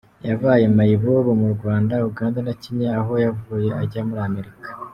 Yabaye mayibobo mu Rwanda, Uganda na Kenya aho yavuye ajya muri Amerika.